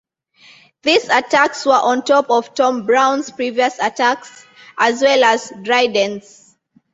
These attacks were on top of Tom Brown's previous attacks, as well as Dryden's.